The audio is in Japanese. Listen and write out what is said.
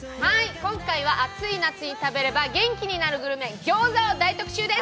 今回は暑い夏に食べれば元気になるグルメ、餃子を大特集です。